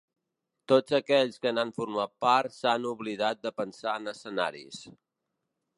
Tots aquells que n’han format part s’han oblidat de pensar en escenaris.